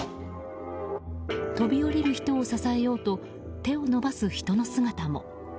飛び降りる人を支えようと手を伸ばす人の姿も。